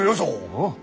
うん？